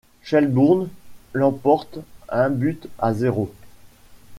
Shelbourne l'emporte un but à zéro.